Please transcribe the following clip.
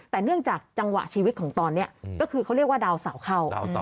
แต่เนื่องจากจังหวะชีวิตของตอนนี้ก็คือเขาเรียกว่าดาวเสาเข้า